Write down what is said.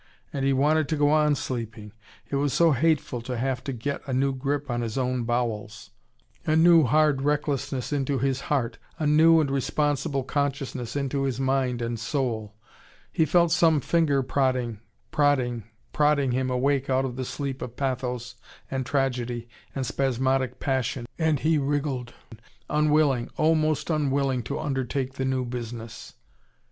And he wanted to go on sleeping. It was so hateful to have to get a new grip on his own bowels, a new hard recklessness into his heart, a new and responsible consciousness into his mind and soul. He felt some finger prodding, prodding, prodding him awake out of the sleep of pathos and tragedy and spasmodic passion, and he wriggled, unwilling, oh, most unwilling to undertake the new business.